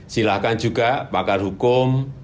silahkan juga pakar hukum